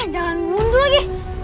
jangan bunuh lagi